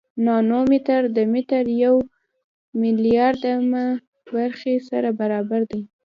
ناتو متر د متر د یو میلیاردمه برخې سره برابر دی.